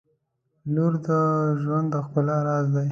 • لور د ژوند د ښکلا راز دی.